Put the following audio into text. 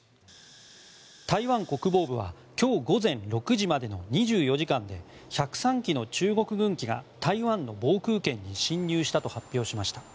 台湾国防部は今日午前６時までの２４時間で１０３機の中国軍機が台湾の防空圏に侵入したと発表しました。